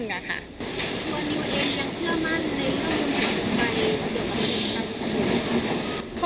นิวเองยังเชื่อมั่นในเรื่องของไฟเกี่ยวกับนิวครับ